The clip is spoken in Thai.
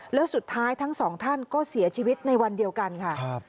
แล้วสุดท้ายทั้งสองท่านก็เสียชีวิตในวันเดียวกันค่ะ